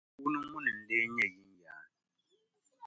Yi puuni ŋuni n-leei nyɛ yinyaa.